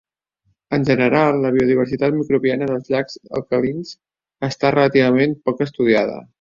En general, la biodiversitat microbiana dels llacs alcalins està relativament poc estudiada.